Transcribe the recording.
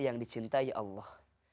yang dicintai allah